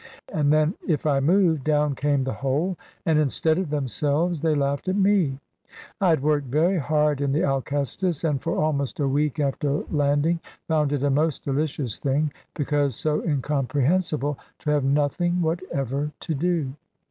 And then if I moved, down came the whole; and instead of themselves, they laughed at me. I had worked very hard in the Alcestis, and for almost a week after landing found it a most delicious thing, because so incomprehensible, to have nothing whatever to do.